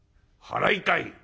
払いたい」。